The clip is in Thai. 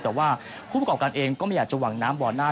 แต่ว่าผู้ประกอบการเองก็ไม่อยากจะหวังน้ำบ่อหน้า